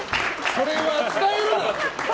それは伝えるな。